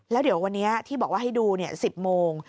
แล้วเดี๋ยววันนี้ที่บอกว่าให้ดู๑๐โมง